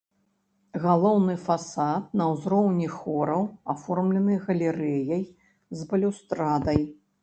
Галоўны фасад на ўзроўні хораў аформлены галерэяй з балюстрадай.